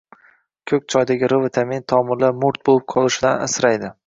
Ko‘k choydagi R vitamini tomirlar mo‘rt bo‘lib qolishidan asraydi.